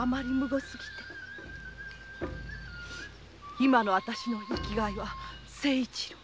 今の私の生きがいは清一郎。